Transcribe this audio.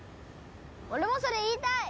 俺もそれ言いたい！